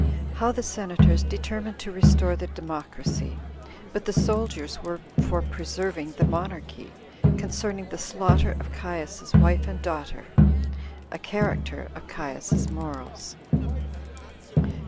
How The Senators Determined To Restore The Democracy; But The Soldiers Were For Preserving The Monarchy, Concerning The Slaughter Of Caius's Wife And Daughter. A Character Of Caius's Morals.